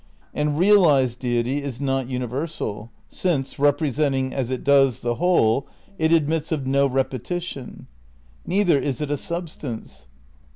And realised deity is not universal, since, representing as it does the whole, it admits of no repetition. ... Neither is it a substance